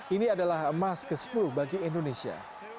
ini adalah emas ke sepuluh bagi indonesia